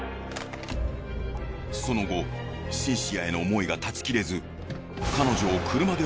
その後シンシアへの思いが断ち切れず。